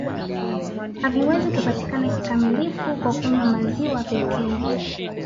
Haviwezi kupatikana kikamilifu kwa kunywa maziwa pekee